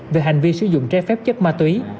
về hành vi sử dụng trái phép chất ma túy